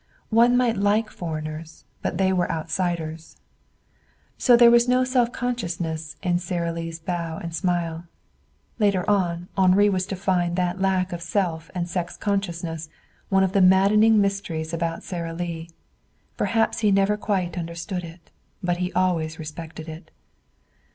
One might like foreigners, but they were outsiders. So there was no self consciousness in Sara Lee's bow and smile. Later on Henri was to find that lack of self and sex consciousness one of the maddening mysteries about Sara Lee. Perhaps he never quite understood it. But always he respected it.